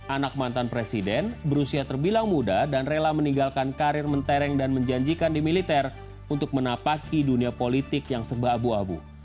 anak mantan presiden berusia terbilang muda dan rela meninggalkan karir mentereng dan menjanjikan di militer untuk menapaki dunia politik yang serba abu abu